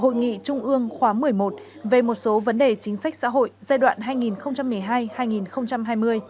hội nghị trung ương khóa một mươi một về một số vấn đề chính sách xã hội giai đoạn hai nghìn một mươi hai hai nghìn hai mươi